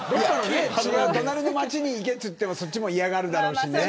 隣の町に行けって言ってもそっちも嫌がるだろうしね。